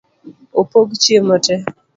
Opog chiemo tee.